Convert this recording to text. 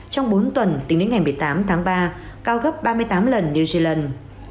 trong bốn tuần tính đến ngày một mươi tám tháng ba cao gấp ba mươi tám lần new zealand